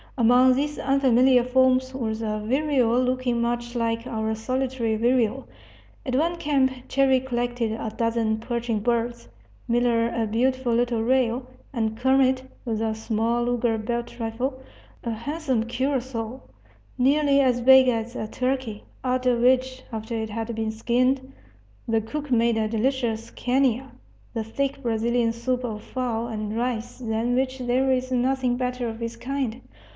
Among these unfamiliar forms was a vireo looking much like our solitary vireo. At one camp Cherrie collected a dozen perching birds; Miller a beautiful little rail; and Kermit, with the small Luger belt rifle, a handsome curassow, nearly as big as a turkey out of which, after it had been skinned, the cook made a delicious canja, the thick Brazilian soup of fowl and rice than which there is nothing better of its kind.